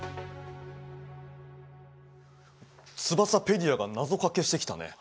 ツバサペディアが謎かけしてきたね。